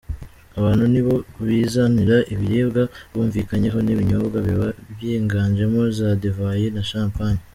Abantu nibo bizanira ibiribwa bumvikanyeho n’ibinyobwa biba byiganjemo za divayi na champagne.